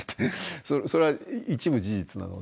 それは一部事実なので。